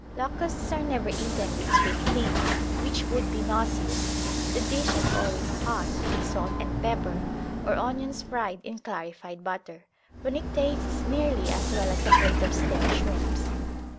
Locusts are never eaten with sweet things, which would be nauseous: the dish is always hot, with salt and pepper, or onions fried in clarified butter, when it tastes nearly as well as a plate of stale shrimps.